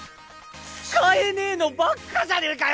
使えねえのばっかじゃねえかよ！